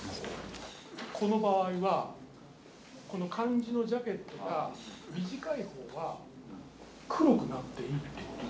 この場合はこの漢字のジャケットが短い方は黒くなっていいっていうことですか？